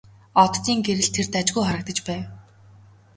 Оддын гэрэлд тэр дажгүй харагдаж байв.